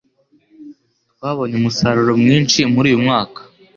Twabonye umusaruro mwinshi muri uyu mwaka.